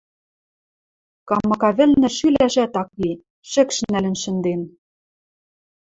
камака вӹлнӹ шӱлӓшӓт ак ли – шӹкш нӓлӹн шӹнден.